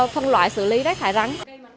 phân loại xử lý rác thải rắn